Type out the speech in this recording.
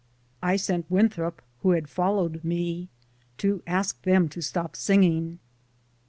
I sent Winthrop, who had followed me, to ask them to stop singing.